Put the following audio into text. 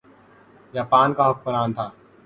Japan کا حکمران تھا۔